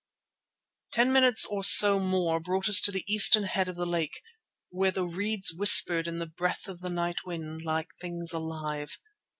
Ten minutes or so more brought us to the eastern head of the lake, where the reeds whispered in the breath of the night wind like things alive.